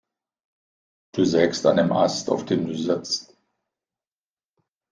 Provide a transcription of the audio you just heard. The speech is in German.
Du sägst an dem Ast, auf dem du sitzt.